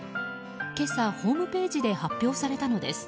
今朝、ホームページで発表されたのです。